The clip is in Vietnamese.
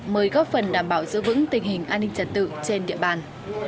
mới góp phần đảm bảo giữ vững tình hình an ninh trật tự trên địa bàn